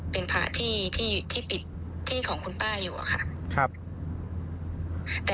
เป็นพระที่ปิดที่ของคุณป้าอยู่อะค่ะ